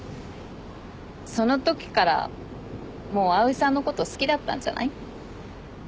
そのときからもう蒼井さんのこと好きだったんじゃない？